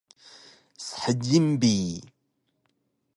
shjil bi